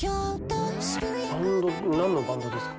バンド何のバンドですか？